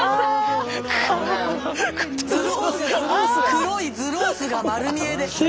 黒いズロースが丸見えです。